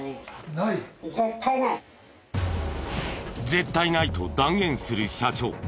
絶対ないと断言する社長。